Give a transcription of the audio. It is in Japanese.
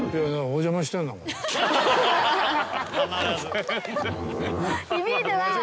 お邪魔してんだもん。